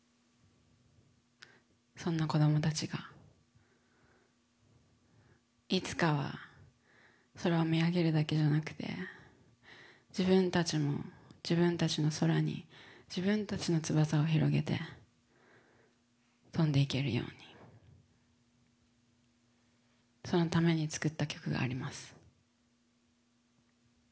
そんな子どもたちがいつかは空を見上げるだけじゃなくて自分たちも自分たちの空に自分たちの翼を広げて飛んでいけるようにそのために作った曲があります。